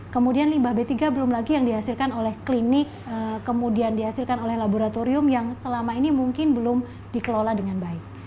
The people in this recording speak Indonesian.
kemudian limbah b tiga belum lagi yang dihasilkan oleh klinik kemudian dihasilkan oleh laboratorium yang selama ini mungkin belum dikelola dengan baik